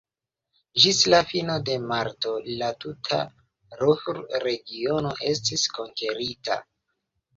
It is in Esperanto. Ĝis la fino de marto la tuta Ruhr-Regiono estis konkerita.